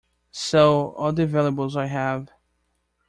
So, all the valuables I have.